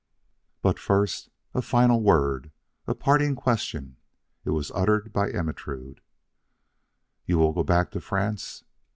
But first, a final word a parting question. It was uttered by Ermentrude. "You will go back to France?"